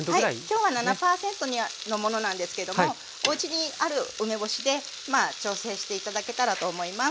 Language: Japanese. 今日は７％のものなんですけどもおうちにある梅干しでまあ調整して頂けたらと思います。